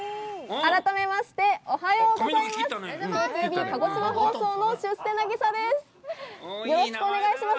改めてまして、おはようございます。